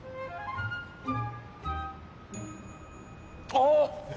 あっ！